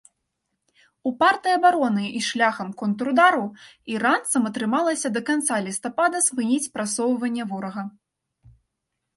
Упартай абаронай і шляхам контрудару іранцам атрымалася да канца лістапада спыніць прасоўванне ворага.